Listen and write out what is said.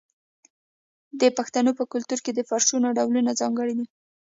د پښتنو په کلتور کې د فرشونو ډولونه ځانګړي دي.